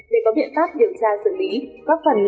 để có biểu hiện